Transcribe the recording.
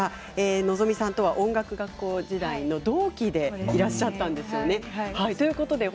望海さんとは音楽学校時代の同期でいらっしゃったんですよね。